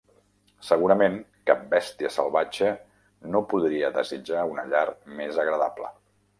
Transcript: Segurament cap bèstia salvatge no podria desitjar una llar més agradable.